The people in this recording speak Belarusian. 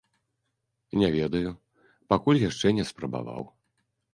Не ведаю, пакуль яшчэ не спрабаваў.